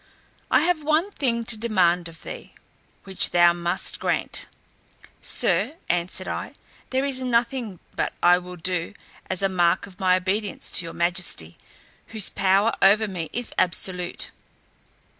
I have one thing to demand of thee, which thou must grant." "Sir," answered I, "there is nothing but I will do, as a mark of my obedience to your majesty, whose power over me is absolute."